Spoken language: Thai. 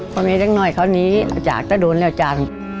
พ่อเมย์ตั้งน้อยเขาหนีจากตะโดนแล้วจ้า